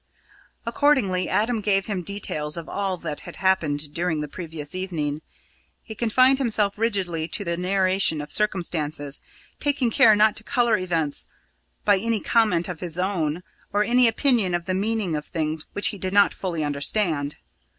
Accordingly Adam gave him details of all that had happened during the previous evening. He confined himself rigidly to the narration of circumstances, taking care not to colour events by any comment of his own, or any opinion of the meaning of things which he did not fully understand.